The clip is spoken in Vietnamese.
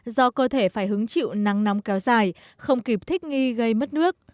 do cơ thể phải hứng chịu nắng nóng kéo dài không kịp thích nghi gây mất nước